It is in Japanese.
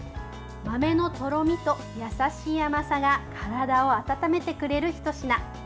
豆のとろみと優しい甘さが体を温めてくれるひと品。